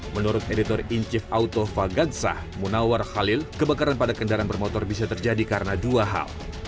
menurut editor inciv autofagansah munawar khalil kebakaran pada kendaraan bermotor bisa terjadi karena dua hal